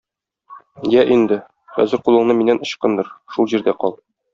Йә инде, хәзер кулыңны миннән ычкындыр, шул җирдә кал.